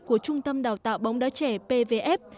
của trung tâm đào tạo bóng đá trẻ pvf